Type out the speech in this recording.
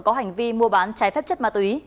có hành vi mua bán trái phép chất ma túy